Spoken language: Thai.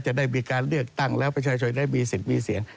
จะได้มีการเลือกตั้งแล้วประชาชนได้มีสิทธิ์มีเสียง